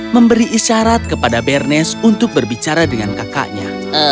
memberi isyarat kepada bernes untuk berbicara dengan kakaknya